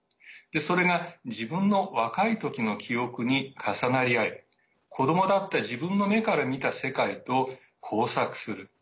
それが自分の若い時の記憶に重なり合い子どもだった自分の目から見た世界と交錯する。